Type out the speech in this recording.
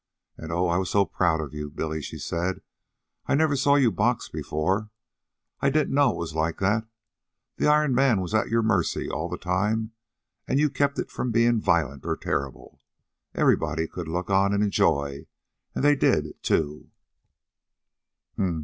"And, oh, I was so proud of you, Billy," she said. "I never saw you box before. I didn't know it was like that. The Iron Man was at your mercy all the time, and you kept it from being violent or terrible. Everybody could look on and enjoy and they did, too."